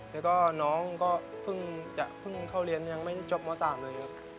แล้วก็น้องก็เพิ่งจะเข้าเรียนยังไม่จบม๓เลย